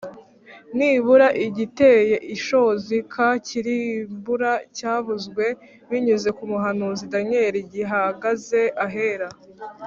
nimubona igiteye ishozi k kirimbura cyavuzwe binyuze ku muhanuzi Daniyeli gihagaze ahera